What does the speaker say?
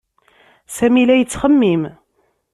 Sami la yettxemmim.